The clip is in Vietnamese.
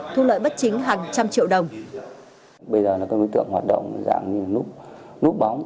thu lợi bất chính hàng trăm triệu đồng